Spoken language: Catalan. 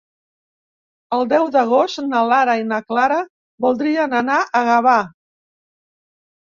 El deu d'agost na Lara i na Clara voldrien anar a Gavà.